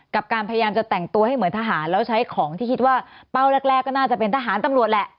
การพยายามจะแต่งตัวให้เหมือนทหารแล้วใช้ของที่คิดว่าเป้าแรกก็น่าจะเป็นทหารตำรวจแหละ